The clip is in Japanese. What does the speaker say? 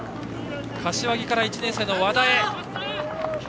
柏木から１年生の和田へ。